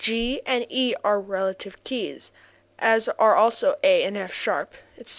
G and e are relative keys, as are also A and f[sharp], etc.